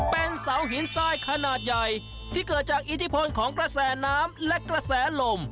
เป็นเสาหินทรายขนาดใหญ่ที่เกิดจากอิทธิพลของกระแสน้ำและกระแสลม